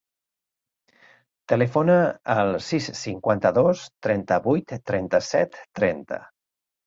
Telefona al sis, cinquanta-dos, trenta-vuit, trenta-set, trenta.